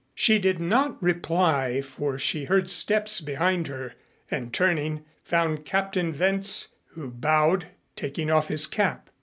She did not reply for she heard steps behind her, and turning, found Captain Wentz, who bowed, taking off his cap.